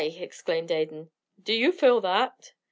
exclaimed Adan. "Do you feel that?"